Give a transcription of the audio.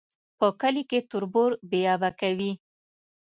په کلي کي تربور بې آبه کوي